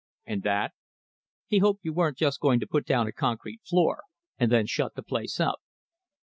"And that?" "He hoped you weren't just going to put down a concrete floor and then shut the place up."